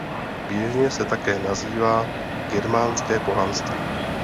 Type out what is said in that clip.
Běžně se také nazývá germánské pohanství.